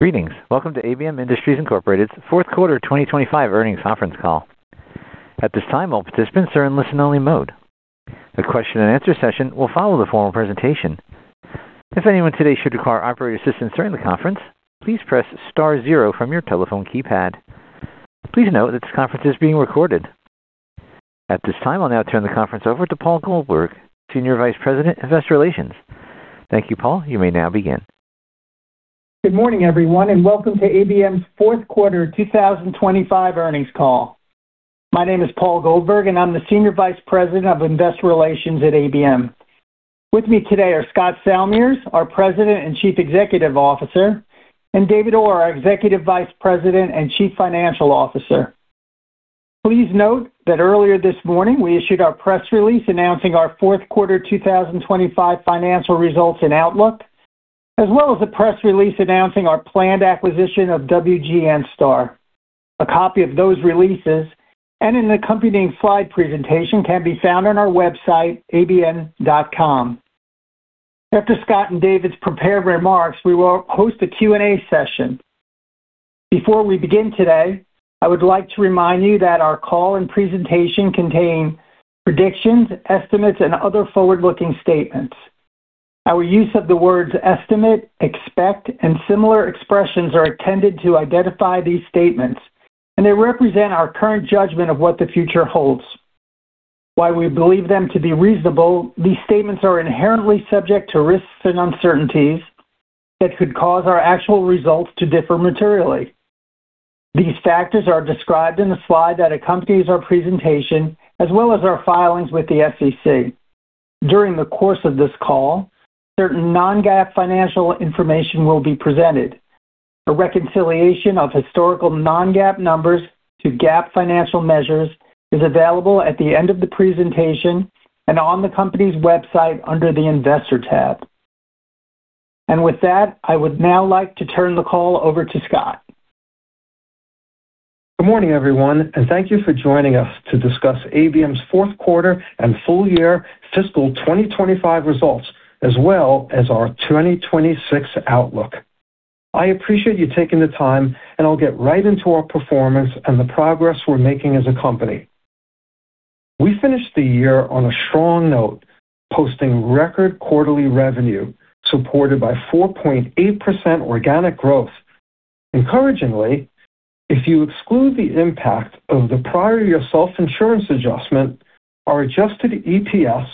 Greetings. Welcome to ABM Industries Incorporated's fourth quarter 2025 earnings conference call. At this time, all participants are in listen-only mode. The question-and-answer session will follow the formal presentation. If anyone today should require operator assistance during the conference, please press Star zero from your telephone keypad. Please note that this conference is being recorded. At this time, I'll now turn the conference over to Paul Goldberg, Senior Vice President, Investor Relations. Thank you, Paul. You may now begin. Good morning, everyone, and welcome to ABM's fourth quarter 2025 earnings call. My name is Paul Goldberg, and I'm the Senior Vice President of Investor Relations at ABM. With me today are Scott Salmirs, our President and Chief Executive Officer, and David Orr, our Executive Vice President and Chief Financial Officer. Please note that earlier this morning, we issued our press release announcing our fourth quarter 2025 financial results and outlook, as well as a press release announcing our planned acquisition of WGNSTAR. A copy of those releases and an accompanying slide presentation can be found on our website, abm.com. After Scott and David's prepared remarks, we will host a Q&A session. Before we begin today, I would like to remind you that our call and presentation contain predictions, estimates, and other forward-looking statements. Our use of the words estimate, expect, and similar expressions is intended to identify these statements, and they represent our current judgment of what the future holds. While we believe them to be reasonable, these statements are inherently subject to risks and uncertainties that could cause our actual results to differ materially. These factors are described in the slide that accompanies our presentation, as well as our filings with the SEC. During the course of this call, certain non-GAAP financial information will be presented. A reconciliation of historical non-GAAP numbers to GAAP financial measures is available at the end of the presentation and on the company's website under the Investor tab. And with that, I would now like to turn the call over to Scott. Good morning, everyone, and thank you for joining us to discuss ABM's fourth quarter and full-year fiscal 2025 results, as well as our 2026 outlook. I appreciate you taking the time, and I'll get right into our performance and the progress we're making as a company. We finished the year on a strong note, posting record quarterly revenue supported by 4.8% organic growth. Encouragingly, if you exclude the impact of the prior-year self-insurance adjustment, our adjusted EPS,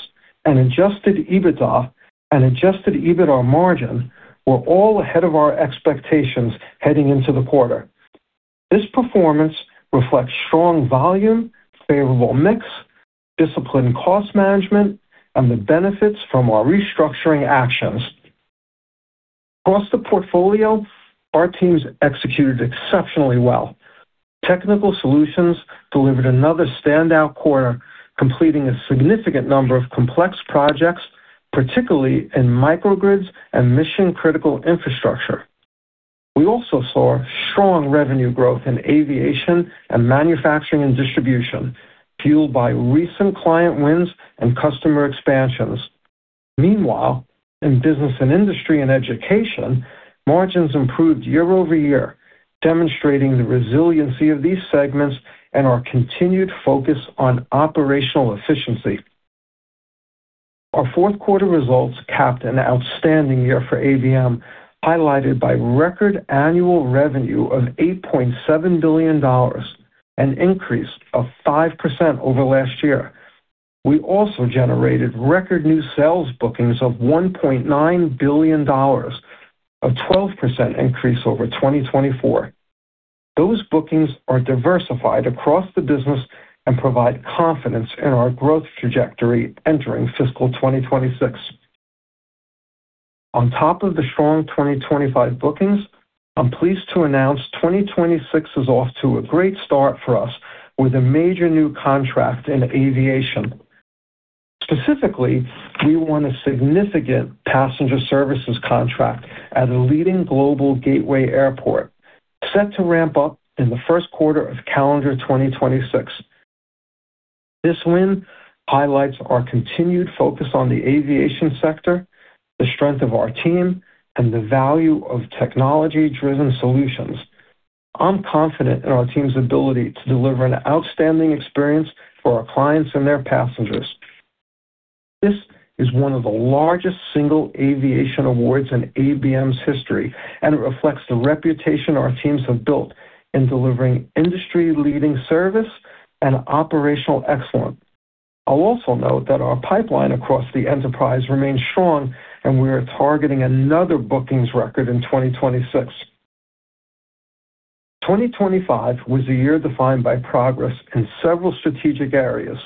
adjusted EBITDA, and adjusted EBITDA margin were all ahead of our expectations heading into the quarter. This performance reflects strong volume, favorable mix, disciplined cost management, and the benefits from our restructuring actions. Across the portfolio, our teams executed exceptionally well. Technical Solutions delivered another standout quarter, completing a significant number of complex projects, particularly in microgrids and mission-critical infrastructure. We also saw strong revenue growth in Aviation and Manufacturing and Distribution, fueled by recent client wins and customer expansions. Meanwhile, in Business and Industry and Education, margins improved year over year, demonstrating the resiliency of these segments and our continued focus on operational efficiency. Our fourth quarter results capped an outstanding year for ABM, highlighted by record annual revenue of $8.7 billion, an increase of 5% over last year. We also generated record new sales bookings of $1.9 billion, a 12% increase over 2024. Those bookings are diversified across the business and provide confidence in our growth trajectory entering fiscal 2026. On top of the strong 2025 bookings, I'm pleased to announce 2026 is off to a great start for us with a major new contract in Aviation. Specifically, we won a significant passenger services contract at a leading global gateway airport, set to ramp up in the first quarter of calendar 2026. This win highlights our continued focus on the Aviation sector, the strength of our team, and the value of technology-driven solutions. I'm confident in our team's ability to deliver an outstanding experience for our clients and their passengers. This is one of the largest single Aviation awards in ABM's history, and it reflects the reputation our teams have built in delivering industry-leading service and operational excellence. I'll also note that our pipeline across the enterprise remains strong, and we are targeting another bookings record in 2026. 2025 was a year defined by progress in several strategic areas.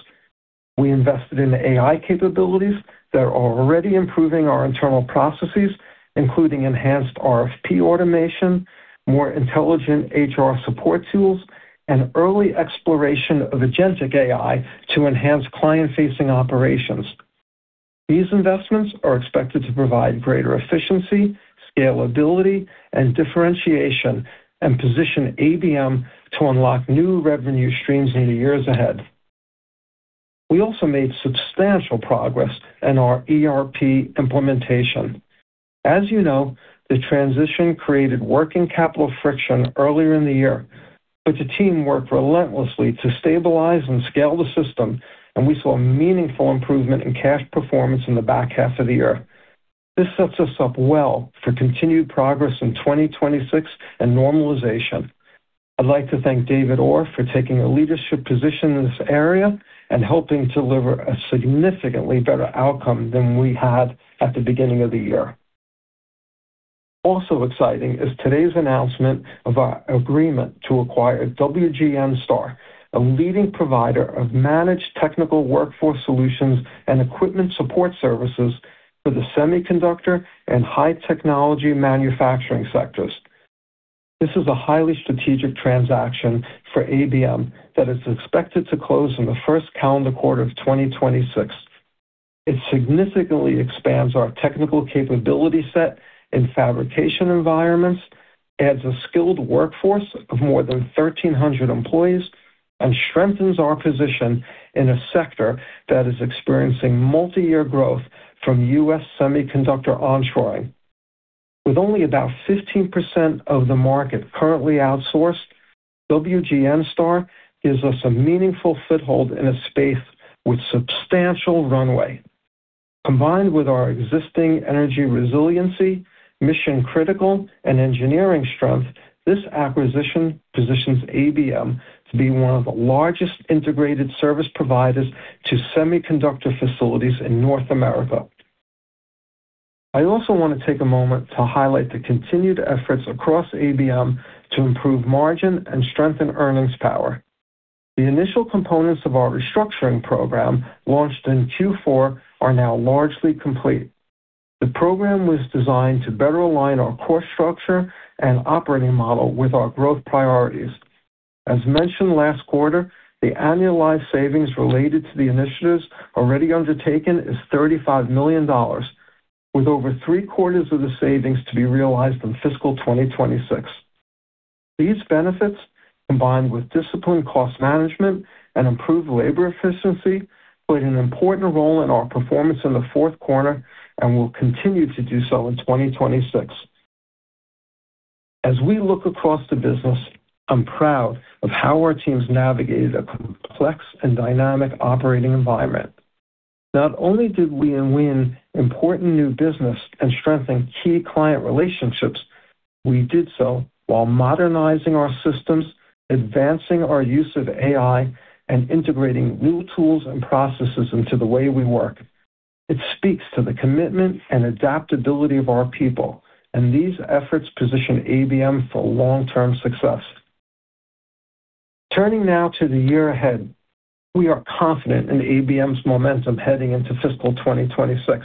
We invested in AI capabilities that are already improving our internal processes, including enhanced RFP automation, more intelligent HR support tools, and early exploration of agentic AI to enhance client-facing operations. These investments are expected to provide greater efficiency, scalability, and differentiation, and position ABM to unlock new revenue streams in the years ahead. We also made substantial progress in our ERP implementation. As you know, the transition created working capital friction earlier in the year, but the team worked relentlessly to stabilize and scale the system, and we saw meaningful improvement in cash performance in the back half of the year. This sets us up well for continued progress in 2026 and normalization. I'd like to thank David Orr for taking a leadership position in this area and helping deliver a significantly better outcome than we had at the beginning of the year. Also exciting is today's announcement of our agreement to acquire WGNSTAR, a leading provider of managed technical workforce solutions and equipment support services for the semiconductor and high-technology manufacturing sectors. This is a highly strategic transaction for ABM that is expected to close in the first calendar quarter of 2026. It significantly expands our technical capability set in fabrication environments, adds a skilled workforce of more than 1,300 employees, and strengthens our position in a sector that is experiencing multi-year growth from U.S. semiconductor onshoring. With only about 15% of the market currently outsourced, WGNSTAR gives us a meaningful foothold in a space with substantial runway. Combined with our existing energy resiliency, mission-critical, and engineering strength, this acquisition positions ABM to be one of the largest integrated service providers to semiconductor facilities in North America. I also want to take a moment to highlight the continued efforts across ABM to improve margin and strengthen earnings power. The initial components of our restructuring program, launched in Q4, are now largely complete. The program was designed to better align our core structure and operating model with our growth priorities. As mentioned last quarter, the annualized savings related to the initiatives already undertaken is $35 million, with over three quarters of the savings to be realized in fiscal 2026. These benefits, combined with disciplined cost management and improved labor efficiency, played an important role in our performance in the fourth quarter and will continue to do so in 2026. As we look across the business, I'm proud of how our teams navigated a complex and dynamic operating environment. Not only did we win important new business and strengthen key client relationships, we did so while modernizing our systems, advancing our use of AI, and integrating new tools and processes into the way we work. It speaks to the commitment and adaptability of our people, and these efforts position ABM for long-term success. Turning now to the year ahead, we are confident in ABM's momentum heading into fiscal 2026.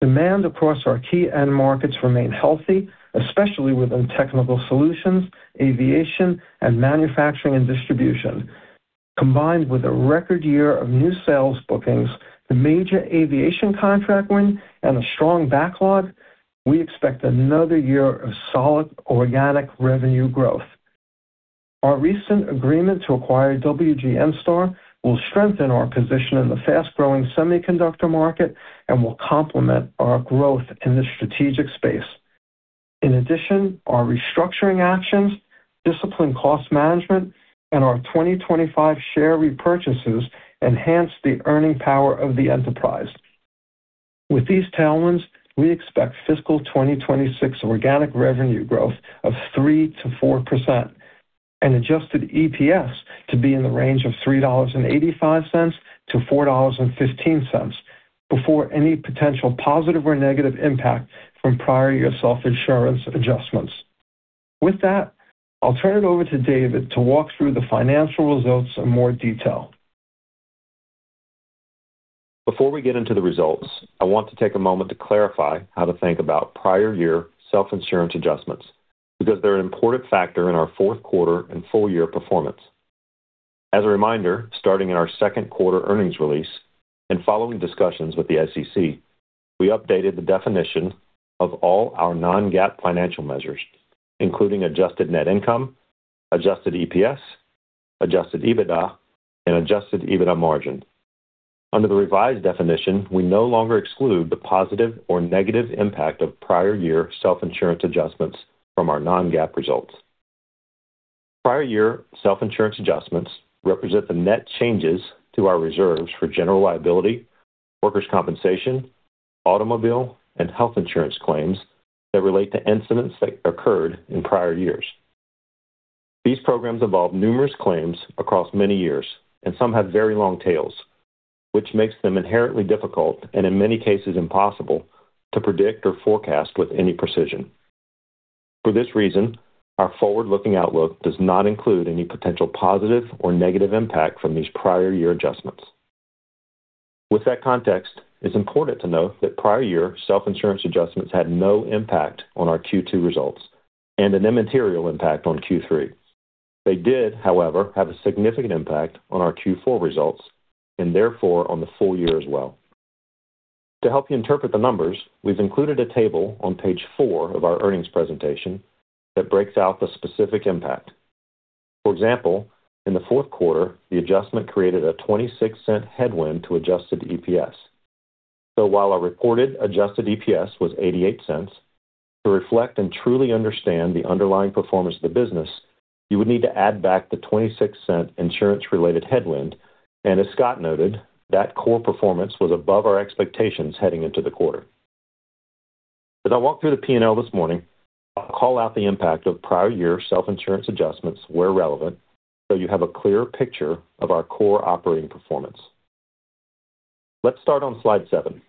Demand across our key end markets remains healthy, especially within Technical Solutions, Aviation, and Manufacturing and Distribution. Combined with a record year of new sales bookings, the major Aviation contract win, and a strong backlog, we expect another year of solid organic revenue growth. Our recent agreement to acquire WGNSTAR will strengthen our position in the fast-growing semiconductor market and will complement our growth in the strategic space. In addition, our restructuring actions, disciplined cost management, and our 2025 share repurchases enhance the earning power of the enterprise. With these tailwinds, we expect fiscal 2026 organic revenue growth of 3%-4%, an adjusted EPS to be in the range of $3.85-$4.15, before any potential positive or negative impact from prior-year self-insurance adjustments. With that, I'll turn it over to David to walk through the financial results in more detail. Before we get into the results, I want to take a moment to clarify how to think about prior-year self-insurance adjustments, because they're an important factor in our fourth quarter and full-year performance. As a reminder, starting in our second quarter earnings release and following discussions with the SEC, we updated the definition of all our non-GAAP financial measures, including adjusted net income, adjusted EPS, adjusted EBITDA, and adjusted EBITDA margin. Under the revised definition, we no longer exclude the positive or negative impact of prior-year self-insurance adjustments from our non-GAAP results. Prior-year self-insurance adjustments represent the net changes to our reserves for general liability, workers' compensation, automobile, and health insurance claims that relate to incidents that occurred in prior years. These programs involve numerous claims across many years, and some have very long tails, which makes them inherently difficult and, in many cases, impossible to predict or forecast with any precision. For this reason, our forward-looking outlook does not include any potential positive or negative impact from these prior-year adjustments. With that context, it's important to note that prior-year self-insurance adjustments had no impact on our Q2 results and an immaterial impact on Q3. They did, however, have a significant impact on our Q4 results and, therefore, on the full year as well. To help you interpret the numbers, we've included a table on page four of our earnings presentation that breaks out the specific impact. For example, in the fourth quarter, the adjustment created a $0.26 headwind to adjusted EPS. While our reported adjusted EPS was $0.88, to reflect and truly understand the underlying performance of the business, you would need to add back the $0.26 insurance-related headwind, and as Scott noted, that core performance was above our expectations heading into the quarter. As I walk through the P&L this morning, I'll call out the impact of prior-year self-insurance adjustments where relevant, so you have a clear picture of our core operating performance. Let's start on slide seven.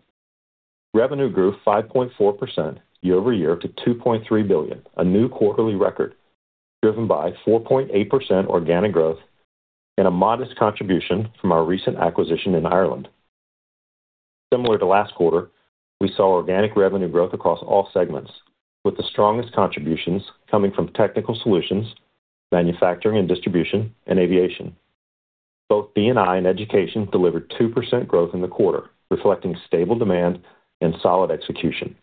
Revenue grew 5.4% year-over-year to $2.3 billion, a new quarterly record, driven by 4.8% organic growth and a modest contribution from our recent acquisition in Ireland. Similar to last quarter, we saw organic revenue growth across all segments, with the strongest contributions coming from Technical Solutions, Manufacturing and Distribution, and Aviation. Both B&I and Education delivered 2% growth in the quarter, reflecting stable demand and solid execution.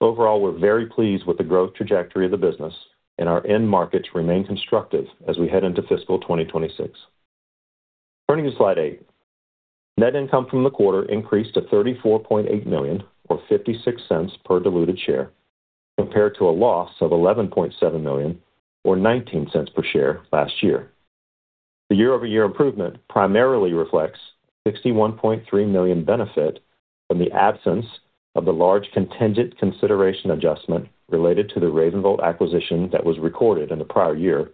Overall, we're very pleased with the growth trajectory of the business, and our end markets remain constructive as we head into fiscal 2026. Turning to slide eight, net income from the quarter increased to $34.8 million, or $0.56 per diluted share, compared to a loss of $11.7 million, or $0.19 per share, last year. The year-over-year improvement primarily reflects a $61.3 million benefit from the absence of the large contingent consideration adjustment related to the RavenVolt acquisition that was recorded in the prior year,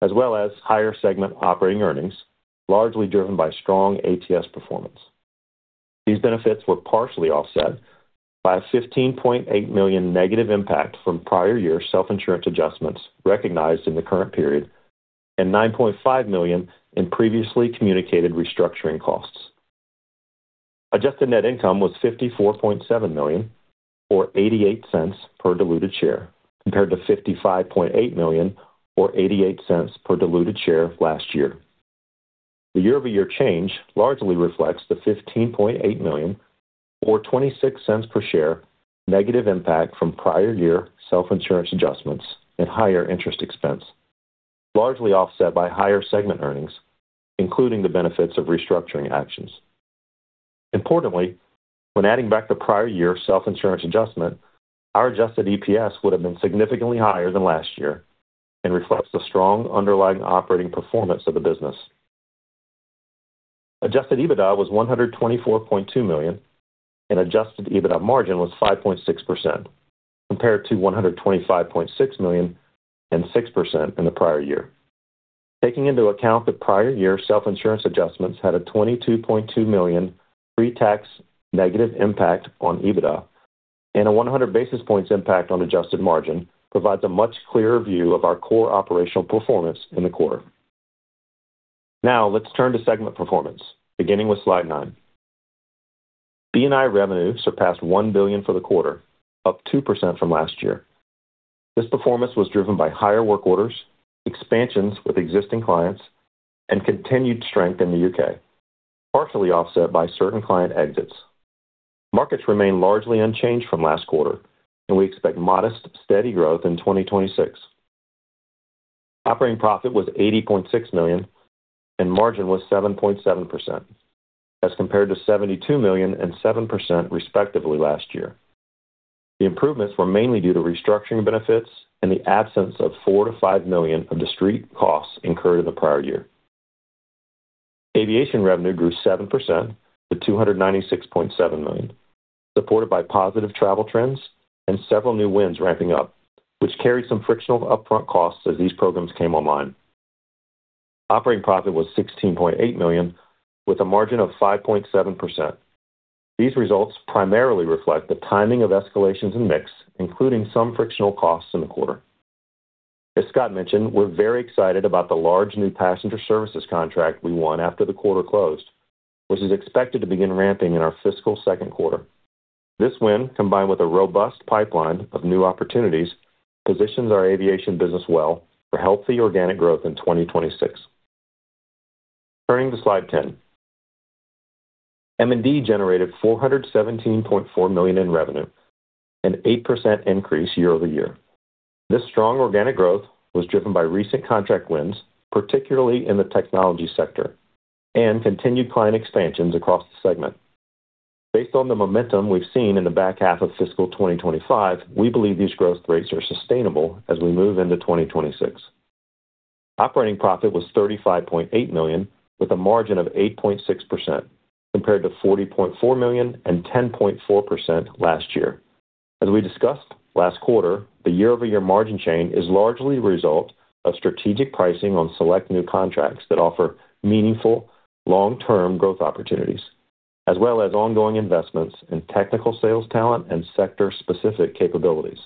as well as higher segment operating earnings, largely driven by strong ATS performance. These benefits were partially offset by a $15.8 million negative impact from prior-year self-insurance adjustments recognized in the current period and $9.5 million in previously communicated restructuring costs. Adjusted net income was $54.7 million, or $0.88 per diluted share, compared to $55.8 million, or $0.88 per diluted share, last year. The year-over-year change largely reflects the $15.8 million, or $0.26 per share, negative impact from prior-year self-insurance adjustments and higher interest expense, largely offset by higher segment earnings, including the benefits of restructuring actions. Importantly, when adding back the prior-year self-insurance adjustment, our adjusted EPS would have been significantly higher than last year and reflects the strong underlying operating performance of the business. Adjusted EBITDA was $124.2 million, and adjusted EBITDA margin was 5.6%, compared to $125.6 million and 6% in the prior year. Taking into account that prior-year self-insurance adjustments had a $22.2 million pre-tax negative impact on EBITDA, and a 100 basis points impact on adjusted margin provides a much clearer view of our core operational performance in the quarter. Now, let's turn to segment performance, beginning with slide nine. B&I revenue surpassed $1 billion for the quarter, up 2% from last year. This performance was driven by higher work orders, expansions with existing clients, and continued strength in the U.K., partially offset by certain client exits. Markets remain largely unchanged from last quarter, and we expect modest, steady growth in 2026. Operating profit was $80.6 million, and margin was 7.7%, as compared to $72 million and 7%, respectively, last year. The improvements were mainly due to restructuring benefits and the absence of $4-$5 million of discrete costs incurred in the prior year. Aviation revenue grew 7% to $296.7 million, supported by positive travel trends and several new wins ramping up, which carried some frictional upfront costs as these programs came online. Operating profit was $16.8 million, with a margin of 5.7%. These results primarily reflect the timing of escalations and mix, including some frictional costs in the quarter. As Scott mentioned, we're very excited about the large new passenger services contract we won after the quarter closed, which is expected to begin ramping in our fiscal second quarter. This win, combined with a robust pipeline of new opportunities, positions our Aviation business well for healthy organic growth in 2026. Turning to slide 10, M&D generated $417.4 million in revenue, an 8% increase year over year. This strong organic growth was driven by recent contract wins, particularly in the technology sector, and continued client expansions across the segment. Based on the momentum we've seen in the back half of fiscal 2025, we believe these growth rates are sustainable as we move into 2026. Operating profit was $35.8 million, with a margin of 8.6%, compared to $40.4 million and 10.4% last year. As we discussed last quarter, the year-over-year margin change is largely the result of strategic pricing on select new contracts that offer meaningful long-term growth opportunities, as well as ongoing investments in technical sales talent and sector-specific capabilities.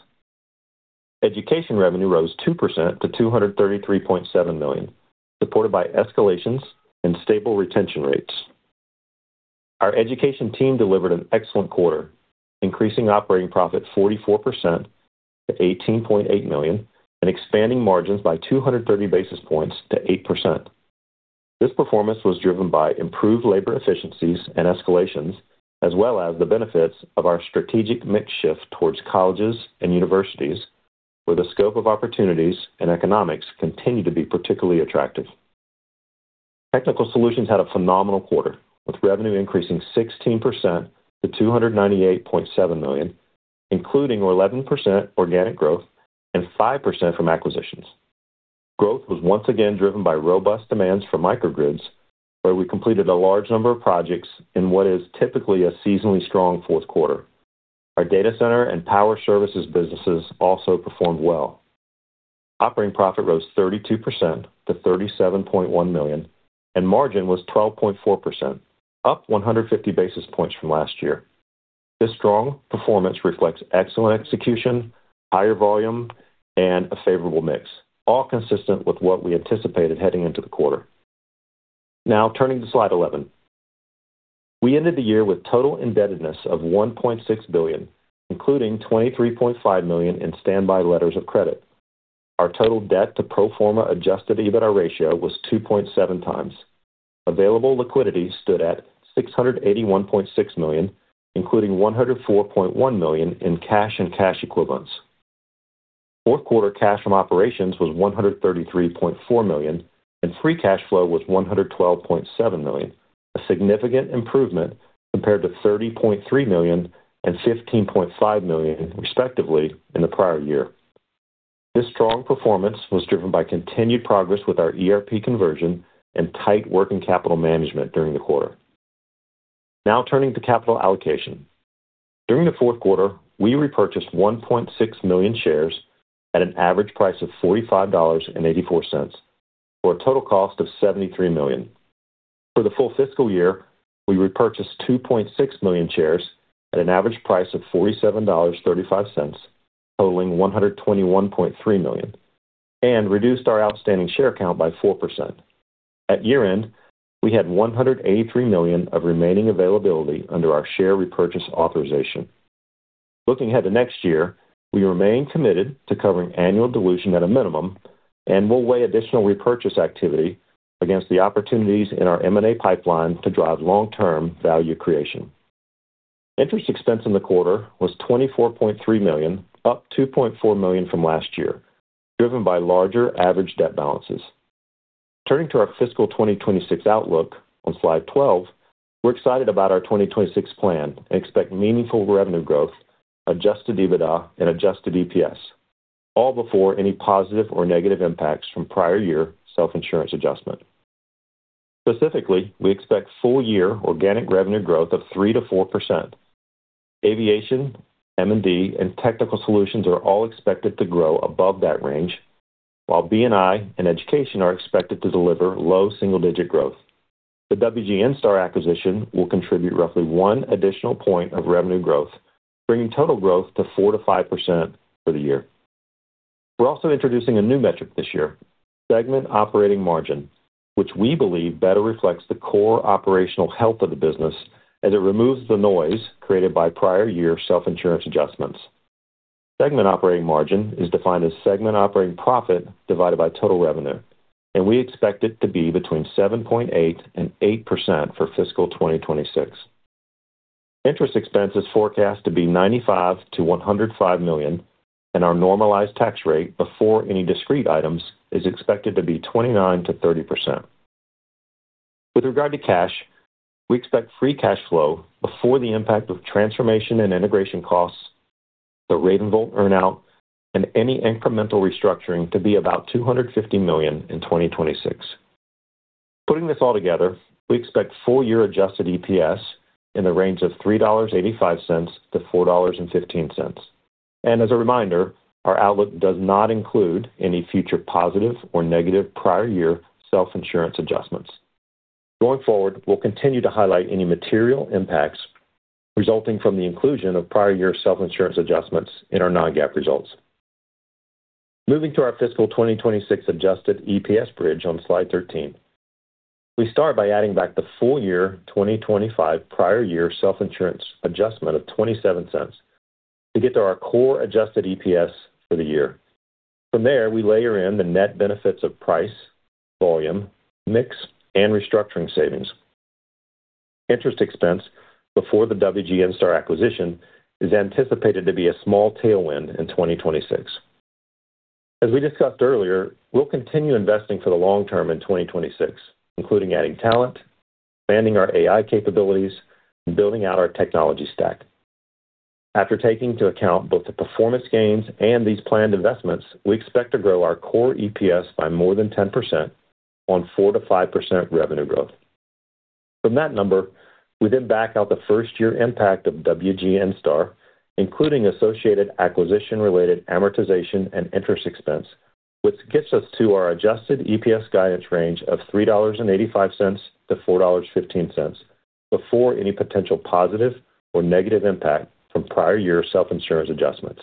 Education revenue rose 2% to $233.7 million, supported by escalations and stable retention rates. Our Education team delivered an excellent quarter, increasing operating profit 44% to $18.8 million and expanding margins by 230 basis points to 8%. This performance was driven by improved labor efficiencies and escalations, as well as the benefits of our strategic mix shift towards colleges and universities, where the scope of opportunities and economics continue to be particularly attractive. Technical Solutions had a phenomenal quarter, with revenue increasing 16% to $298.7 million, including 11% organic growth and 5% from acquisitions. Growth was once again driven by robust demands for microgrids, where we completed a large number of projects in what is typically a seasonally strong fourth quarter. Our data center and power services businesses also performed well. Operating profit rose 32% to $37.1 million, and margin was 12.4%, up 150 basis points from last year. This strong performance reflects excellent execution, higher volume, and a favorable mix, all consistent with what we anticipated heading into the quarter. Now, turning to slide 11, we ended the year with total indebtedness of $1.6 billion, including $23.5 million in standby letters of credit. Our total debt-to-pro forma Adjusted EBITDA ratio was 2.7 times. Available liquidity stood at $681.6 million, including $104.1 million in cash and cash equivalents. Fourth quarter cash from operations was $133.4 million, and free cash flow was $112.7 million, a significant improvement compared to $30.3 million and $15.5 million, respectively, in the prior year. This strong performance was driven by continued progress with our ERP conversion and tight working capital management during the quarter. Now, turning to capital allocation. During the fourth quarter, we repurchased 1.6 million shares at an average price of $45.84, for a total cost of $73 million. For the full fiscal year, we repurchased 2.6 million shares at an average price of $47.35, totaling $121.3 million, and reduced our outstanding share count by 4%. At year-end, we had $183 million of remaining availability under our share repurchase authorization. Looking ahead to next year, we remain committed to covering annual dilution at a minimum and will weigh additional repurchase activity against the opportunities in our M&A pipeline to drive long-term value creation. Interest expense in the quarter was $24.3 million, up $2.4 million from last year, driven by larger average debt balances. Turning to our fiscal 2026 outlook on slide 12, we're excited about our 2026 plan and expect meaningful revenue growth, Adjusted EBITDA, and Adjusted EPS, all before any positive or negative impacts from prior-year self-insurance adjustment. Specifically, we expect full-year organic revenue growth of 3%-4%. Aviation, M&D, and Technical Solutions are all expected to grow above that range, while B&I and Education are expected to deliver low single-digit growth. The WGNSTAR acquisition will contribute roughly one additional point of revenue growth, bringing total growth to 4%-5% for the year. We're also introducing a new metric this year, segment operating margin, which we believe better reflects the core operational health of the business as it removes the noise created by prior-year self-insurance adjustments. Segment operating margin is defined as segment operating profit divided by total revenue, and we expect it to be between 7.8% and 8% for fiscal 2026. Interest expense is forecast to be $95-$105 million, and our normalized tax rate before any discrete items is expected to be 29%-30%. With regard to cash, we expect free cash flow before the impact of transformation and integration costs, the RavenVolt earn-out, and any incremental restructuring to be about $250 million in 2026. Putting this all together, we expect full-year adjusted EPS in the range of $3.85-$4.15. As a reminder, our outlook does not include any future positive or negative prior-year self-insurance adjustments. Going forward, we'll continue to highlight any material impacts resulting from the inclusion of prior-year self-insurance adjustments in our non-GAAP results. Moving to our fiscal 2026 adjusted EPS bridge on slide 13, we start by adding back the full-year 2025 prior-year self-insurance adjustment of $0.27 to get to our core adjusted EPS for the year. From there, we layer in the net benefits of price, volume, mix, and restructuring savings. Interest expense before the WGNSTAR acquisition is anticipated to be a small tailwind in 2026. As we discussed earlier, we'll continue investing for the long term in 2026, including adding talent, expanding our AI capabilities, and building out our technology stack. After taking into account both the performance gains and these planned investments, we expect to grow our core EPS by more than 10% on 4%-5% revenue growth. From that number, we then back out the first-year impact of WGNSTAR, including associated acquisition-related amortization and interest expense, which gets us to our Adjusted EPS guidance range of $3.85-$4.15 before any potential positive or negative impact from prior-year self-insurance adjustments.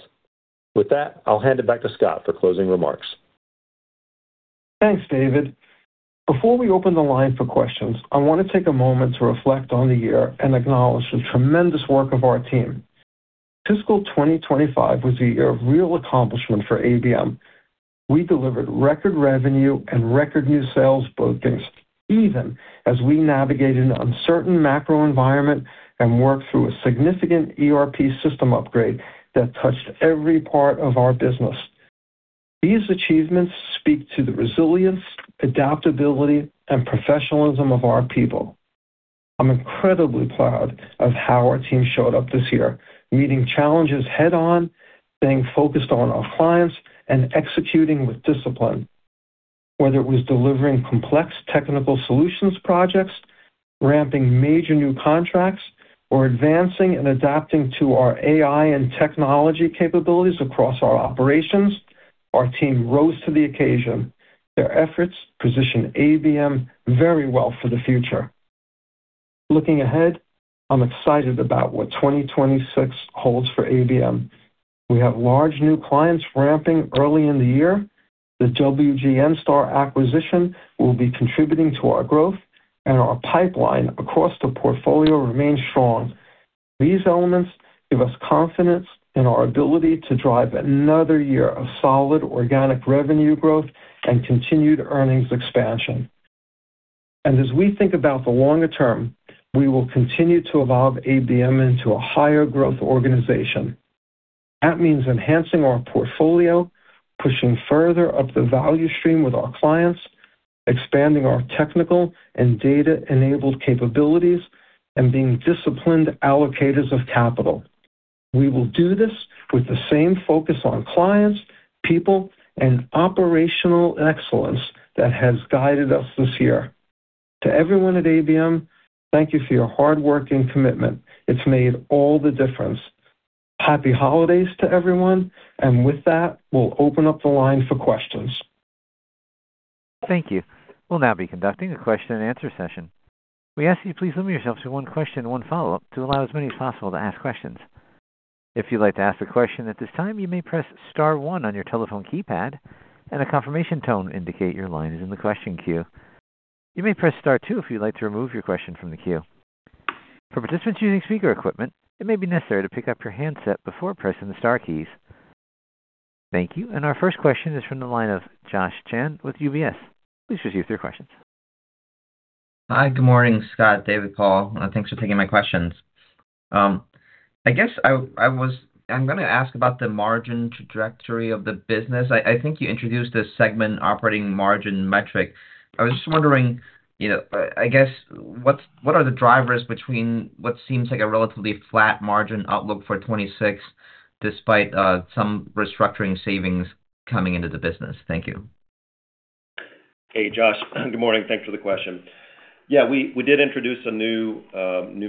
With that, I'll hand it back to Scott for closing remarks. Thanks, David. Before we open the line for questions, I want to take a moment to reflect on the year and acknowledge the tremendous work of our team. Fiscal 2025 was a year of real accomplishment for ABM. We delivered record revenue and record new sales bookings, even as we navigated an uncertain macro environment and worked through a significant ERP system upgrade that touched every part of our business. These achievements speak to the resilience, adaptability, and professionalism of our people. I'm incredibly proud of how our team showed up this year, meeting challenges head-on, staying focused on our clients, and executing with discipline. Whether it was delivering complex Technical Solutions projects, ramping major new contracts, or advancing and adapting to our AI and technology capabilities across our operations, our team rose to the occasion. Their efforts position ABM very well for the future. Looking ahead, I'm excited about what 2026 holds for ABM. We have large new clients ramping early in the year. The WGNSTAR acquisition will be contributing to our growth, and our pipeline across the portfolio remains strong. These elements give us confidence in our ability to drive another year of solid organic revenue growth and continued earnings expansion. And as we think about the longer term, we will continue to evolve ABM into a higher-growth organization. That means enhancing our portfolio, pushing further up the value stream with our clients, expanding our technical and data-enabled capabilities, and being disciplined allocators of capital. We will do this with the same focus on clients, people, and operational excellence that has guided us this year. To everyone at ABM, thank you for your hard work and commitment. It's made all the difference. Happy holidays to everyone, and with that, we'll open up the line for questions. Thank you. We'll now be conducting a question-and-answer session. We ask that you please limit yourself to one question and one follow-up to allow as many as possible to ask questions. If you'd like to ask a question at this time, you may press Star one on your telephone keypad, and a confirmation tone will indicate your line is in the question queue. You may press Star two if you'd like to remove your question from the queue. For participants using speaker equipment, it may be necessary to pick up your handset before pressing the Star keys. Thank you, and our first question is from the line of Joshua Chan with UBS. Please proceed with your questions. Hi, good morning, Scott, David, Paul, and thanks for taking my questions. I guess I was. I'm going to ask about the margin trajectory of the business. I think you introduced the segment operating margin metric. I was just wondering, I guess, what are the drivers between what seems like a relatively flat margin outlook for 2026 despite some restructuring savings coming into the business? Thank you. Hey, Josh, good morning. Thanks for the question. Yeah, we did introduce a new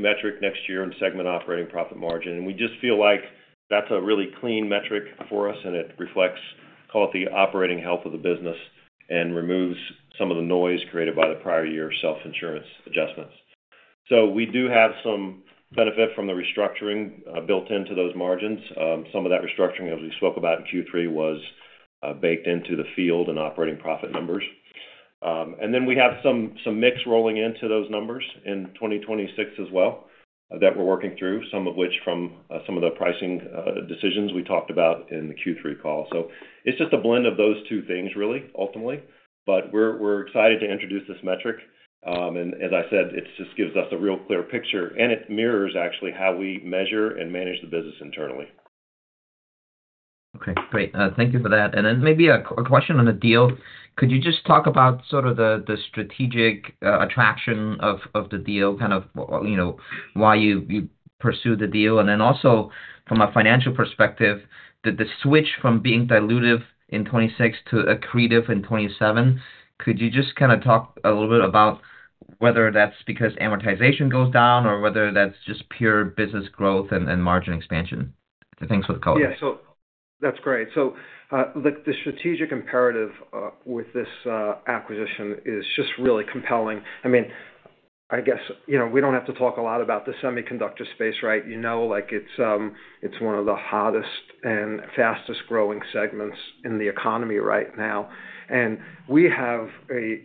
metric next year in Segment Operating Margin, and we just feel like that's a really clean metric for us, and it reflects, call it the operating health of the business, and removes some of the noise created by the prior-year self-insurance adjustments, so we do have some benefit from the restructuring built into those margins. Some of that restructuring, as we spoke about in Q3, was baked into the field and operating profit numbers, and then we have some mix rolling into those numbers in 2026 as well that we're working through, some of which from some of the pricing decisions we talked about in the Q3 call, so it's just a blend of those two things, really, ultimately. But we're excited to introduce this metric, and as I said, it just gives us a real clear picture, and it mirrors actually how we measure and manage the business internally. Okay, great. Thank you for that. And then maybe a question on the deal. Could you just talk about sort of the strategic attraction of the deal, kind of why you pursue the deal? And then also, from a financial perspective, the switch from being dilutive in 2026 to accretive in 2027, could you just kind of talk a little bit about whether that's because amortization goes down or whether that's just pure business growth and margin expansion? Thanks for the color. Yeah, so that's great. So the strategic imperative with this acquisition is just really compelling. I mean, I guess we don't have to talk a lot about the semiconductor space, right? You know it's one of the hottest and fastest-growing segments in the economy right now. And we have a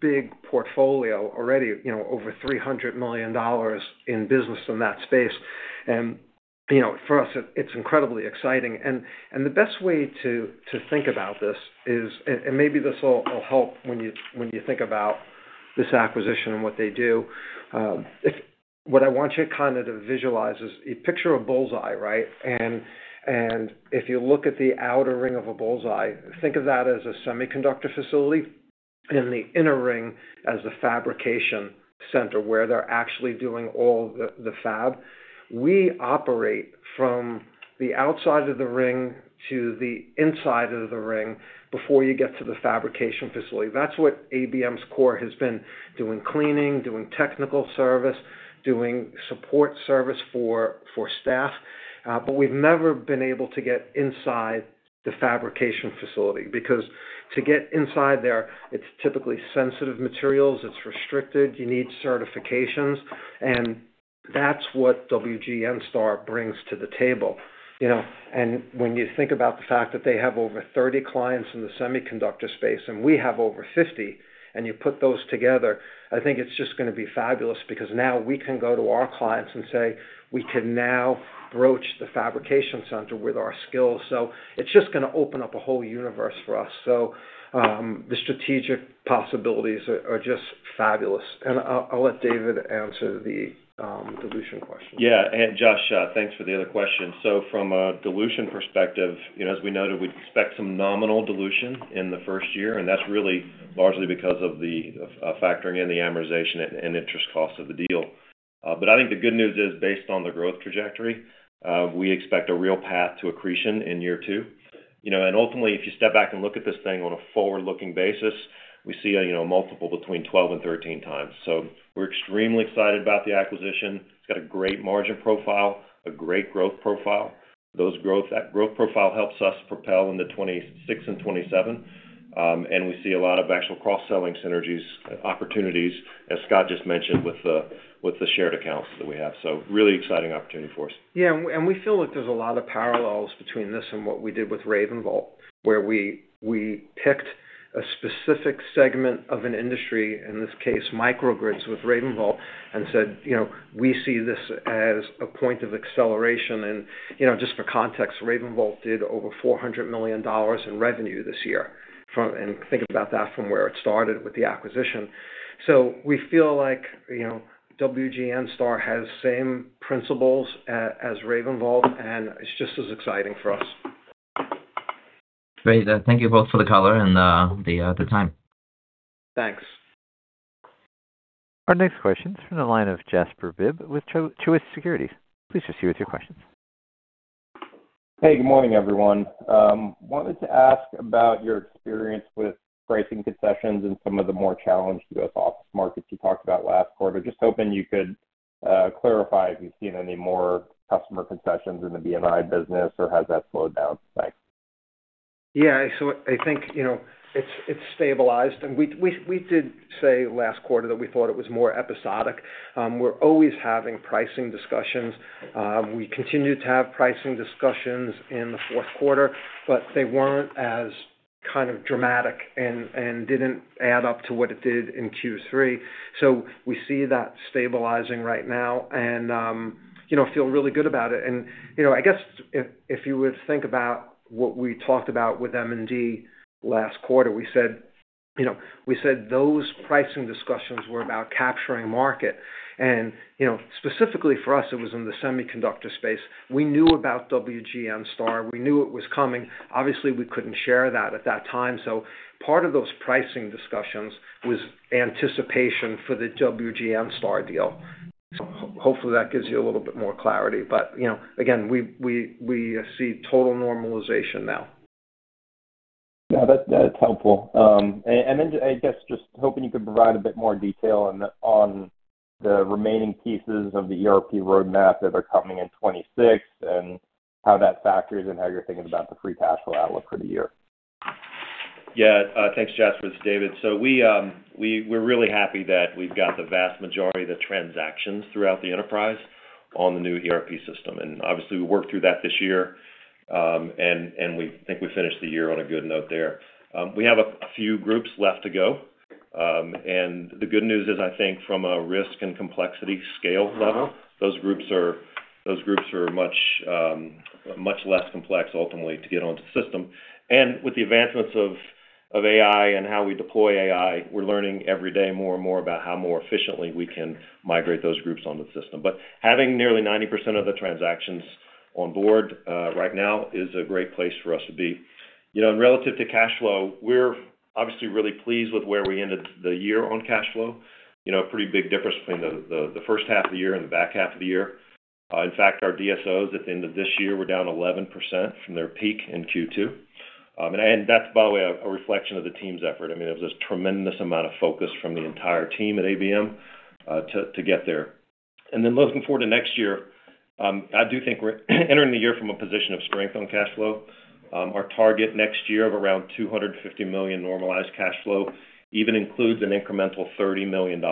big portfolio already, over $300 million in business in that space. And for us, it's incredibly exciting. And the best way to think about this is, and maybe this will help when you think about this acquisition and what they do, what I want you to kind of visualize is a picture of a bullseye, right? And if you look at the outer ring of a bullseye, think of that as a semiconductor facility and the inner ring as the fabrication center where they're actually doing all the fab. We operate from the outside of the ring to the inside of the ring before you get to the fabrication facility. That's what ABM's core has been doing: cleaning, doing technical service, doing support service for staff. But we've never been able to get inside the fabrication facility because to get inside there, it's typically sensitive materials. It's restricted. You need certifications, and that's what WGNSTAR brings to the table. And when you think about the fact that they have over 30 clients in the semiconductor space and we have over 50, and you put those together, I think it's just going to be fabulous because now we can go to our clients and say, "We can now broach the fabrication center with our skills." So it's just going to open up a whole universe for us. So the strategic possibilities are just fabulous. And I'll let David answer the dilution question. Yeah, and Joshua, thanks for the other question. From a dilution perspective, as we noted, we expect some nominal dilution in the first year, and that's really largely because of the factoring in the amortization and interest costs of the deal. I think the good news is, based on the growth trajectory, we expect a real path to accretion in year two. Ultimately, if you step back and look at this thing on a forward-looking basis, we see a multiple between 12 and 13 times. We're extremely excited about the acquisition. It's got a great margin profile, a great growth profile. That growth profile helps us propel into 2026 and 2027. We see a lot of actual cross-selling synergies opportunities, as Scott just mentioned, with the shared accounts that we have. Really exciting opportunity for us. Yeah, and we feel like there's a lot of parallels between this and what we did with RavenVolt, where we picked a specific segment of an industry, in this case, microgrids, with RavenVolt and said, "We see this as a point of acceleration." And just for context, RavenVolt did over $400 million in revenue this year. And think about that from where it started with the acquisition. So we feel like WGNSTAR has the same principles as RavenVolt, and it's just as exciting for us. Great. Thank you both for the color and the time. Thanks. Our next question is from the line of Jasper Bibb with Truist Securities. Please proceed with your questions. Hey, good morning, everyone. Wanted to ask about your experience with pricing concessions and some of the more challenged U.S. office markets you talked about last quarter. Just hoping you could clarify if you've seen any more customer concessions in the B&I business or has that slowed down? Thanks. Yeah, so I think it's stabilized. And we did say last quarter that we thought it was more episodic. We're always having pricing discussions. We continued to have pricing discussions in the fourth quarter, but they weren't as kind of dramatic and didn't add up to what it did in Q3. So we see that stabilizing right now and feel really good about it. And I guess if you would think about what we talked about with M&D last quarter, we said those pricing discussions were about capturing market. And specifically for us, it was in the semiconductor space. We knew about WGNSTAR. We knew it was coming. Obviously, we couldn't share that at that time. So part of those pricing discussions was anticipation for the WGNSTAR deal. Hopefully, that gives you a little bit more clarity. But again, we see total normalization now. Yeah, that's helpful. And I guess just hoping you could provide a bit more detail on the remaining pieces of the ERP roadmap that are coming in 2026 and how that factors and how you're thinking about the Free Cash Flow outlook for the year? Yeah, thanks, Jasper and David. So we're really happy that we've got the vast majority of the transactions throughout the enterprise on the new ERP system. And obviously, we worked through that this year, and we think we finished the year on a good note there. We have a few groups left to go. The good news is, I think, from a risk and complexity scale level, those groups are much less complex ultimately to get onto the system. With the advancements of AI and how we deploy AI, we're learning every day more and more about how more efficiently we can migrate those groups onto the system. Having nearly 90% of the transactions on board right now is a great place for us to be. Relative to cash flow, we're obviously really pleased with where we ended the year on cash flow. A pretty big difference between the first half of the year and the back half of the year. In fact, our DSOs at the end of this year were down 11% from their peak in Q2. That's, by the way, a reflection of the team's effort. I mean, it was a tremendous amount of focus from the entire team at ABM to get there, and then looking forward to next year, I do think we're entering the year from a position of strength on cash flow. Our target next year of around $250 million normalized cash flow even includes an incremental $30 million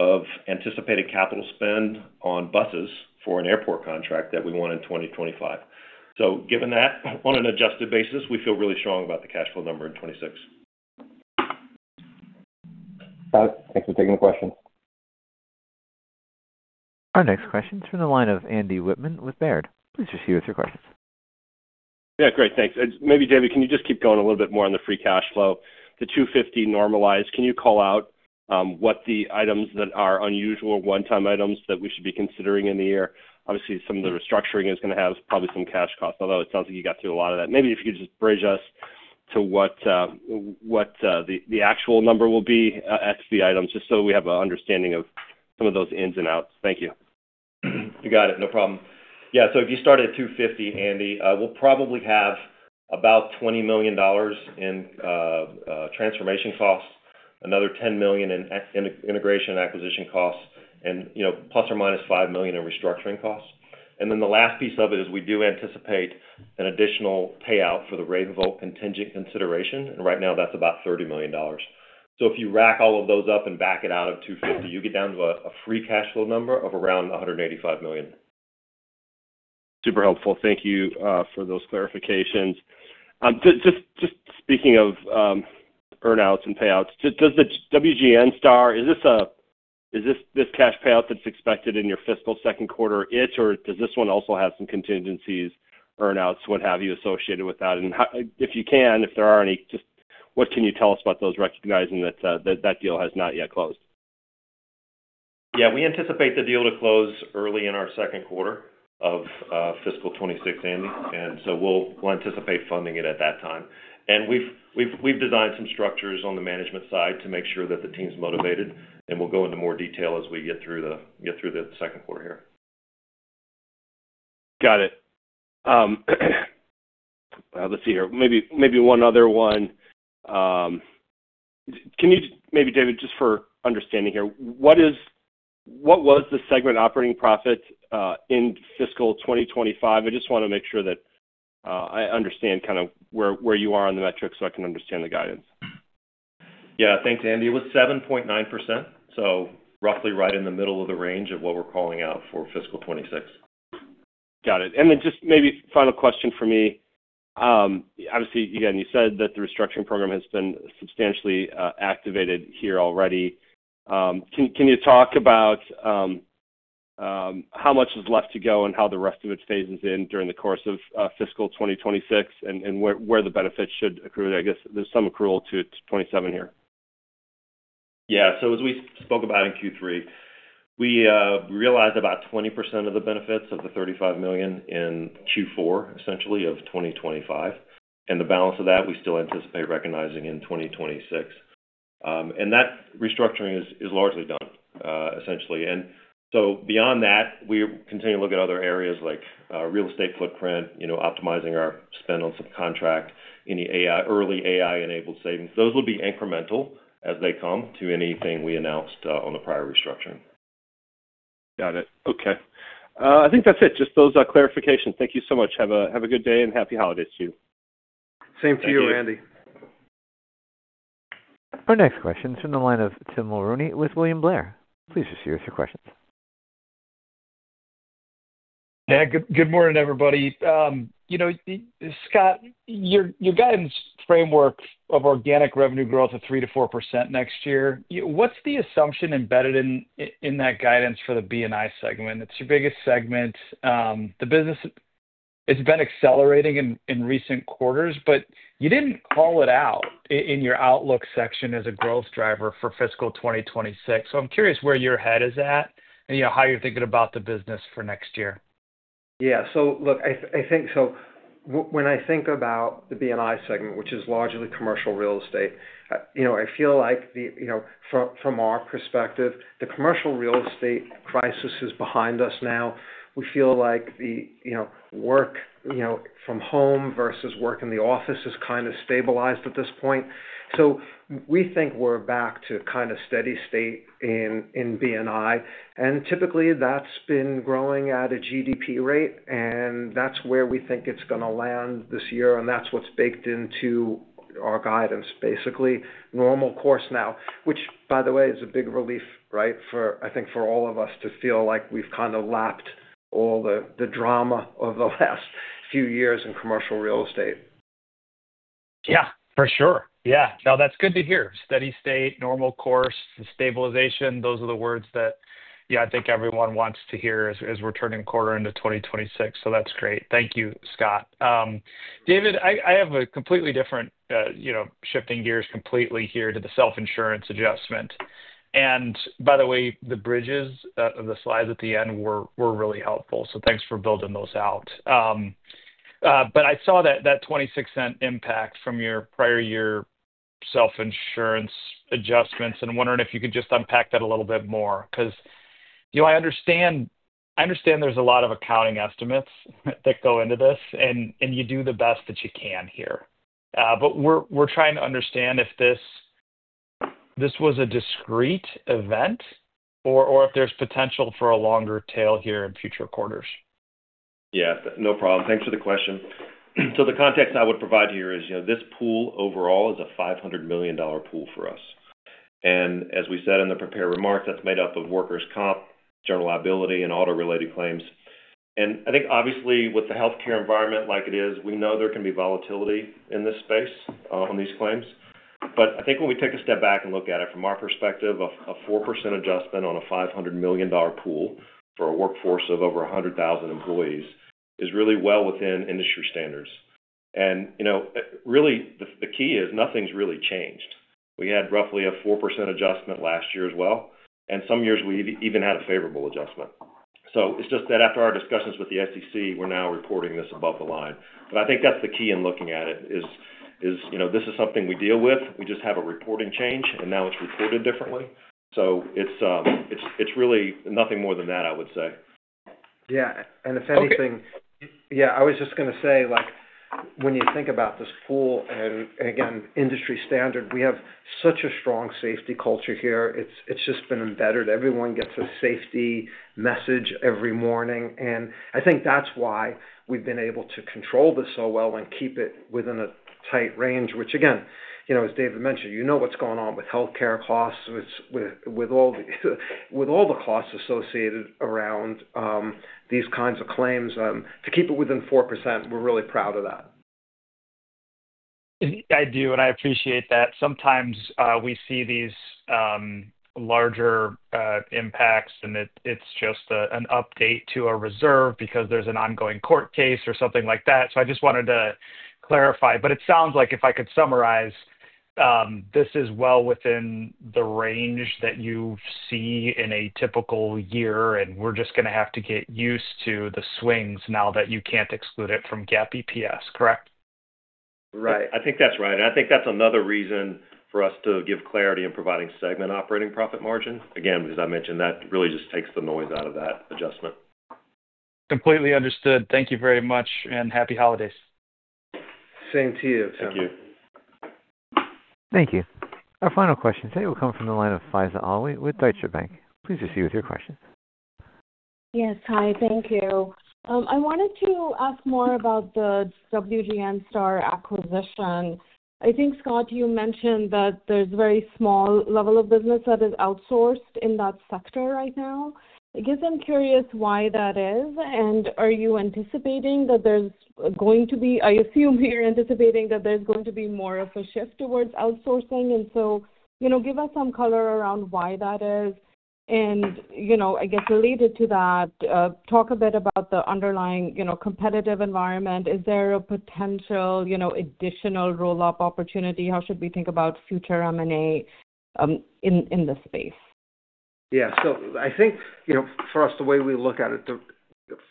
of anticipated capital spend on buses for an airport contract that we want in 2025, so given that, on an adjusted basis, we feel really strong about the cash flow number in 2026. Thanks for taking the question. Our next question is from the line of Andy Whittman with Baird. Please proceed with your questions. Yeah, great. Thanks. Maybe, David, can you just keep going a little bit more on the free cash flow? The $250 normalized, can you call out what the items that are unusual, one-time items that we should be considering in the year? Obviously, some of the restructuring is going to have probably some cash costs, although it sounds like you got through a lot of that. Maybe if you could just bridge us to what the actual number will be at the items, just so we have an understanding of some of those ins and outs. Thank you. You got it. No problem. Yeah, so if you start at $250, Andy, we'll probably have about $20 million in transformation costs, another $10 million in integration acquisition costs, and plus or minus $5 million in restructuring costs. And then the last piece of it is we do anticipate an additional payout for the RavenVolt contingent consideration. And right now, that's about $30 million. So if you rack all of those up and back it out of $250 million, you get down to a free cash flow number of around $185 million. Super helpful. Thank you for those clarifications. Just speaking of earnouts and payouts, does the WGNSTAR—is this the cash payout that's expected in your fiscal second quarter, it, or does this one also have some contingencies, earnouts, what have you associated with that? And if you can, if there are any, just what can you tell us about those, recognizing that that deal has not yet closed? Yeah, we anticipate the deal to close early in our second quarter of fiscal 2026, Andy. And so we'll anticipate funding it at that time. And we've designed some structures on the management side to make sure that the team's motivated, and we'll go into more detail as we get through the second quarter here. Got it. Let's see here. Maybe one other one. Maybe, David, just for understanding here, what was the segment operating profit in fiscal 2025? I just want to make sure that I understand kind of where you are on the metrics so I can understand the guidance. Yeah, thanks, Andy. It was 7.9%, so roughly right in the middle of the range of what we're calling out for fiscal 2026. Got it. And then just maybe final question for me. Obviously, again, you said that the restructuring program has been substantially activated here already. Can you talk about how much is left to go and how the rest of it phases in during the course of fiscal 2026 and where the benefits should accrue? I guess there's some accrual to 2027 here? Yeah, so as we spoke about in Q3, we realized about 20% of the benefits of the $35 million in Q4, essentially, of 2025. And the balance of that, we still anticipate recognizing in 2026. And that restructuring is largely done, essentially. And so beyond that, we continue to look at other areas like real estate footprint, optimizing our spend on subcontract, any early AI-enabled savings. Those will be incremental as they come to anything we announced on the prior restructuring. Got it. Okay. I think that's it. Just those clarifications. Thank you so much. Have a good day and happy holidays to you. Same to you, Andy. Our next question is from the line of Tim Mulrooney with William Blair. Please proceed with your questions. Yeah, good morning, everybody. Scott, your guidance framework of organic revenue growth of 3%-4% next year, what's the assumption embedded in that guidance for the B&I segment? It's your biggest segment. The business has been accelerating in recent quarters, but you didn't call it out in your Outlook section as a growth driver for fiscal 2026. So I'm curious where your head is at and how you're thinking about the business for next year. Yeah. So look, I think so when I think about the B&I segment, which is largely commercial real estate, I feel like from our perspective, the commercial real estate crisis is behind us now. We feel like the work from home versus work in the office has kind of stabilized at this point. So we think we're back to kind of steady state in B&I. And typically, that's been growing at a GDP rate, and that's where we think it's going to land this year. And that's what's baked into our guidance, basically. Normal course now, which, by the way, is a big relief, right? I think for all of us to feel like we've kind of lapped all the drama of the last few years in commercial real estate. Yeah, for sure. Yeah. No, that's good to hear. Steady state, normal course, and stabilization, those are the words that, yeah, I think everyone wants to hear as we're turning quarter into 2026. So that's great. Thank you, Scott. David, I have a completely different shifting gears completely here to the self-insurance adjustment. And by the way, the bridges of the slides at the end were really helpful. So thanks for building those out. But I saw that $0.26 impact from your prior-year self-insurance adjustments and wondering if you could just unpack that a little bit more. Because I understand there's a lot of accounting estimates that go into this, and you do the best that you can here. But we're trying to understand if this was a discrete event or if there's potential for a longer tail here in future quarters. Yeah, no problem. Thanks for the question. So the context I would provide here is this pool overall is a $500 million pool for us. And as we said in the prepared remarks, that's made up of workers' comp, general liability, and auto-related claims. And I think, obviously, with the healthcare environment like it is, we know there can be volatility in this space on these claims. But I think when we take a step back and look at it from our perspective, a 4% adjustment on a $500 million pool for a workforce of over 100,000 employees is really well within industry standards. And really, the key is nothing's really changed. We had roughly a 4% adjustment last year as well. And some years, we even had a favorable adjustment. So it's just that after our discussions with the SEC, we're now reporting this above the line. But I think that's the key in looking at it is this is something we deal with. We just have a reporting change, and now it's reported differently. So it's really nothing more than that, I would say. Yeah. And the funny thing, yeah, I was just going to say, when you think about this pool and, again, industry standard, we have such a strong safety culture here. It's just been embedded. Everyone gets a safety message every morning. And I think that's why we've been able to control this so well and keep it within a tight range, which, again, as David mentioned, you know what's going on with healthcare costs, with all the costs associated around these kinds of claims. To keep it within 4%, we're really proud of that. I do, and I appreciate that. Sometimes we see these larger impacts, and it's just an update to a reserve because there's an ongoing court case or something like that. So I just wanted to clarify. But it sounds like if I could summarize, this is well within the range that you see in a typical year, and we're just going to have to get used to the swings now that you can't exclude it from GAAP EPS, correct? Right. I think that's right. I think that's another reason for us to give clarity in providing segment operating profit margin. Again, as I mentioned, that really just takes the noise out of that adjustment. Completely understood. Thank you very much, and happy holidays. Same to you. Thank you. Thank you. Our final question today will come from the line of Faiza Alwy with Deutsche Bank. Please proceed with your question. Yes. Hi. Thank you. I wanted to ask more about the WGNSTAR acquisition. I think, Scott, you mentioned that there's a very small level of business that is outsourced in that sector right now. I guess I'm curious why that is. And are you anticipating that there's going to be. I assume you're anticipating that there's going to be more of a shift towards outsourcing? And so give us some color around why that is. And I guess related to that, talk a bit about the underlying competitive environment. Is there a potential additional roll-up opportunity? How should we think about future M&A in this space? Yeah. So I think for us, the way we look at it,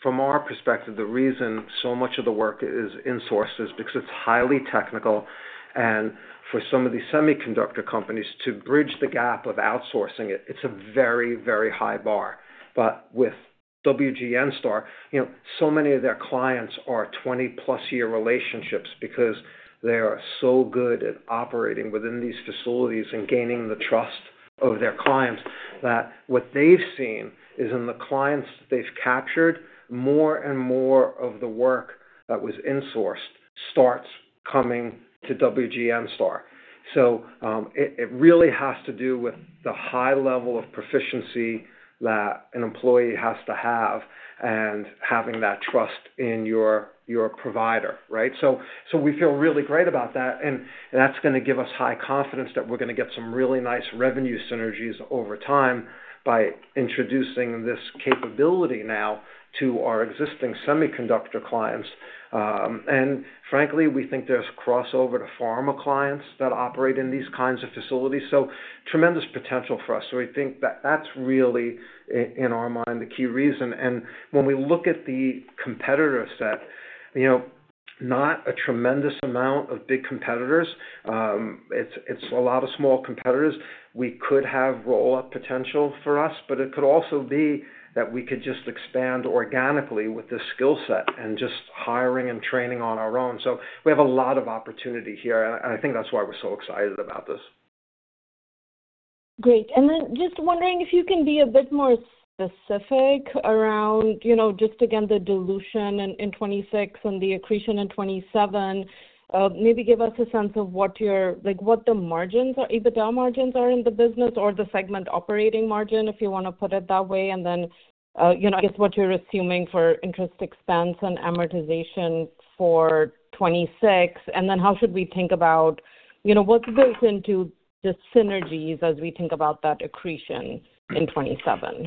from our perspective, the reason so much of the work is insourced is because it's highly technical. And for some of the semiconductor companies to bridge the gap of outsourcing it, it's a very, very high bar. But with WGNSTAR, so many of their clients are 20-plus-year relationships because they are so good at operating within these facilities and gaining the trust of their clients that what they've seen is in the clients that they've captured, more and more of the work that was insourced starts coming to WGNSTAR. So it really has to do with the high level of proficiency that an employee has to have and having that trust in your provider, right? So we feel really great about that. And that's going to give us high confidence that we're going to get some really nice revenue synergies over time by introducing this capability now to our existing semiconductor clients. And frankly, we think there's crossover to pharma clients that operate in these kinds of facilities. So tremendous potential for us. So we think that that's really, in our mind, the key reason. And when we look at the competitor set, not a tremendous amount of big competitors. It's a lot of small competitors. We could have roll-up potential for us, but it could also be that we could just expand organically with this skill set and just hiring and training on our own. So we have a lot of opportunity here. And I think that's why we're so excited about this. Great. And then just wondering if you can be a bit more specific around just, again, the dilution in 2026 and the accretion in 2027. Maybe give us a sense of what the margins are, if the low margins are in the business or the segment operating margin, if you want to put it that way. And then I guess what you're assuming for interest expense and amortization for 2026. And then how should we think about what goes into the synergies as we think about that accretion in 2027?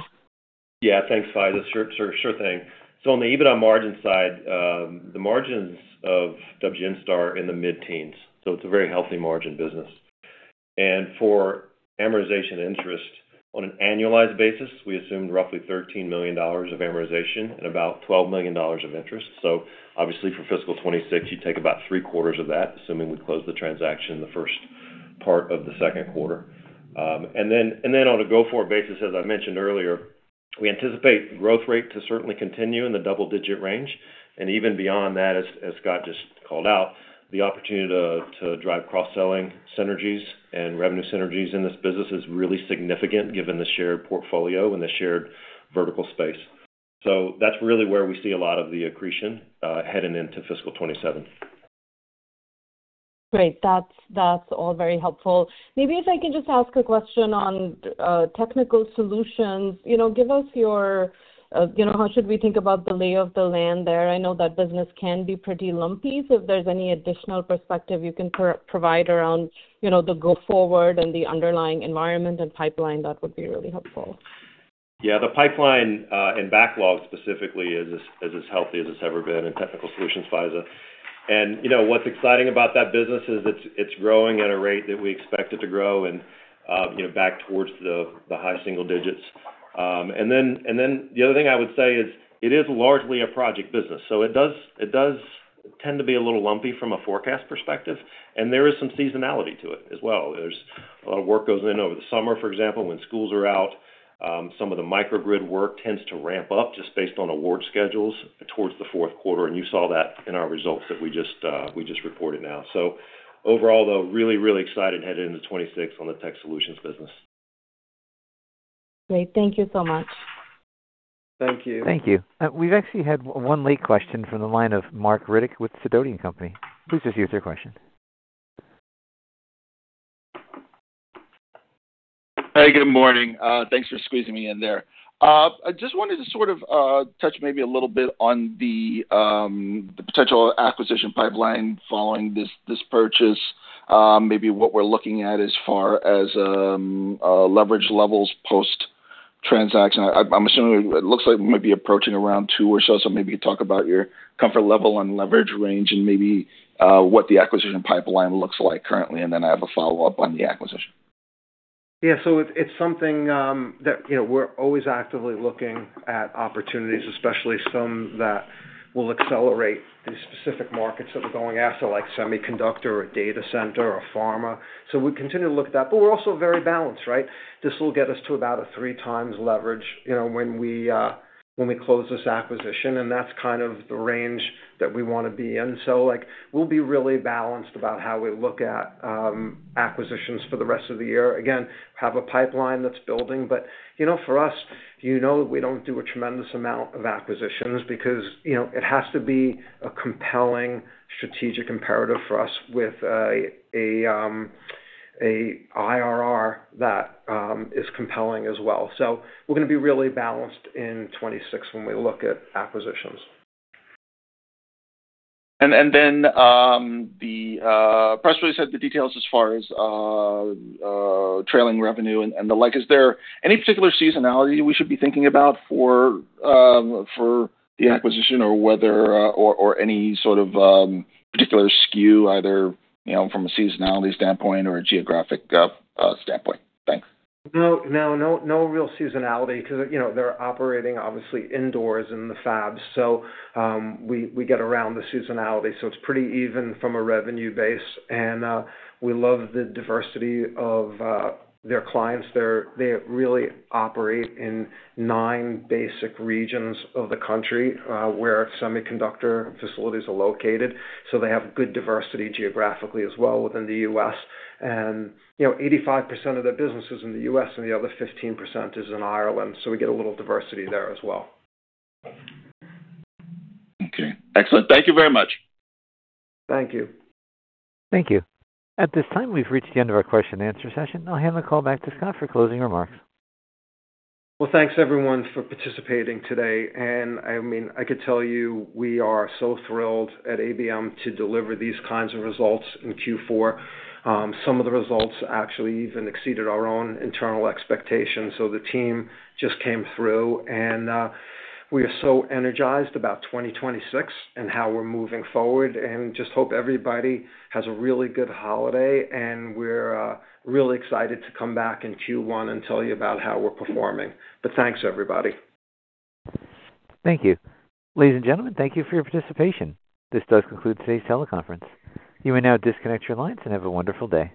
Yeah. Thanks, Faiza. Sure thing. So on the EBITDA margin side, the margins of WGNSTAR are in the mid-teens. So it's a very healthy margin business. And for amortization interest, on an annualized basis, we assume roughly $13 million of amortization and about $12 million of interest. So obviously, for fiscal 2026, you take about three-quarters of that, assuming we close the transaction in the first part of the second quarter. And then on a go-forward basis, as I mentioned earlier, we anticipate growth rate to certainly continue in the double-digit range. And even beyond that, as Scott just called out, the opportunity to drive cross-selling synergies and revenue synergies in this business is really significant given the shared portfolio and the shared vertical space. So that's really where we see a lot of the accretion heading into fiscal 2027. Great. That's all very helpful. Maybe if I can just ask a question on Technical Solutions. Give us your. How should we think about the lay of the land there? I know that business can be pretty lumpy. So if there's any additional perspective you can provide around the go-forward and the underlying environment and pipeline, that would be really helpful. Yeah. The pipeline and backlog specifically is as healthy as it's ever been in Technical Solutions, Faiza. And what's exciting about that business is it's growing at a rate that we expect it to grow and back towards the high single digits. And then the other thing I would say is it is largely a project business. So it does tend to be a little lumpy from a forecast perspective. And there is some seasonality to it as well. There's a lot of work goes in over the summer, for example, when schools are out. Some of the microgrid work tends to ramp up just based on award schedules towards the fourth quarter. And you saw that in our results that we just reported now. So overall, though, really, really excited heading into 2026 on the Tech Solutions business. Great. Thank you so much. Thank you. Thank you. We've actually had one late question from the line of Marc Riddick with Sidoti & Company. Please proceed with your question. Hey, good morning. Thanks for squeezing me in there. I just wanted to sort of touch maybe a little bit on the potential acquisition pipeline following this purchase. Maybe what we're looking at as far as leverage levels post-transaction. I'm assuming it looks like it might be approaching around two or so. So maybe you could talk about your comfort level on leverage range and maybe what the acquisition pipeline looks like currently. And then I have a follow-up on the acquisition. Yeah. So it's something that we're always actively looking at opportunities, especially some that will accelerate the specific markets that we're going after, like semiconductor or data center or pharma. So we continue to look at that. But we're also very balanced, right? This will get us to about a three-times leverage when we close this acquisition. And that's kind of the range that we want to be in. So we'll be really balanced about how we look at acquisitions for the rest of the year. Again, have a pipeline that's building. But for us, we don't do a tremendous amount of acquisitions because it has to be a compelling strategic imperative for us with an IRR that is compelling as well. So we're going to be really balanced in 2026 when we look at acquisitions. And then the press release had the details as far as trailing revenue and the like. Is there any particular seasonality we should be thinking about for the acquisition or any sort of particular SKU, either from a seasonality standpoint or a geographic standpoint? Thanks. No, no real seasonality because they're operating, obviously, indoors in the fabs. So we get around the seasonality. So it's pretty even from a revenue base. And we love the diversity of their clients. They really operate in nine basic regions of the country where semiconductor facilities are located. So they have good diversity geographically as well within the U.S. And 85% of their business is in the U.S., and the other 15% is in Ireland. So we get a little diversity there as well. Okay. Excellent. Thank you very much. Thank you. Thank you. At this time, we've reached the end of our question-and-answer session. I'll hand the call back to Scott for closing remarks. Well, thanks, everyone, for participating today. And I mean, I could tell you we are so thrilled at ABM to deliver these kinds of results in Q4. Some of the results actually even exceeded our own internal expectations. So the team just came through. And we are so energized about 2026 and how we're moving forward and just hope everybody has a really good holiday. And we're really excited to come back in Q1 and tell you about how we're performing. But thanks, everybody. Thank you. Ladies and gentlemen, thank you for your participation. This does conclude today's teleconference. You may now disconnect your lines and have a wonderful day.